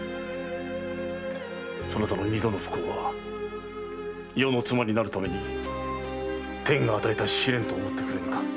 そなたの二度の不幸は余の妻になるために天が与えた試練と思ってくれぬか？